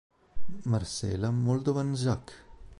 Marcela Moldovan-Zsak